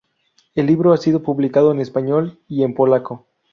El libro ha sido publicado en español y en polaco.